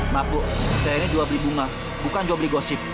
maaf bu saya ini jual beli bunga bukan jual beli gosip